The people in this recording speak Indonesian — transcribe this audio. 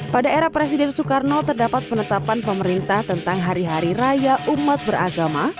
pada era presiden soekarno terdapat penetapan pemerintah tentang hari hari raya umat beragama